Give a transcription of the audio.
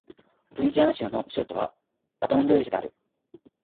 ルイジアナ州の州都はバトンルージュである